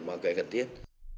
mà gây cần thiết